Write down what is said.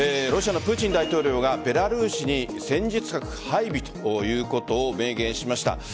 ロシアのプーチン大統領がベラルーシに戦術核配備ということを明言しました。